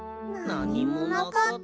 なにもなかった。